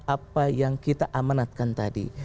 apa yang kita amanatkan tadi